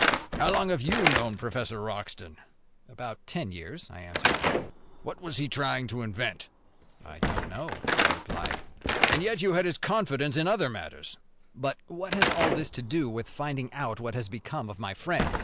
"How long have you known Professor Wroxton?" "About ten years," I answered. "What was he trying to invent?" "I don't know," I replied. "And yet you had his confidence in other matters?" "But what has all this to do with finding out what has become of my friend?"